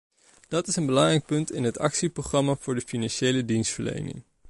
Dat is een belangrijk punt in het actieprogramma voor de financiële dienstverlening.